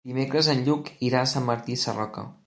Dimecres en Lluc irà a Sant Martí Sarroca.